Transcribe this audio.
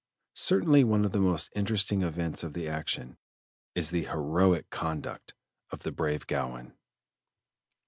Certainly one of the most interesting events of the action is the heroic conduct of the brave Gowin.